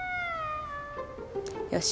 よし。